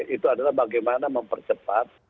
itu adalah bagaimana mempercepat